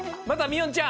おんちゃん